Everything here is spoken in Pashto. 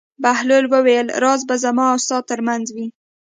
بهلول وویل: راز به زما او ستا تر منځ وي.